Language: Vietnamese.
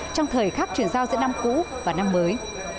trong thời khắc chuyển giao giữa năm cũ và năm mới